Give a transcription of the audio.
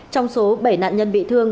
trong số bảy nạn nhân bị thương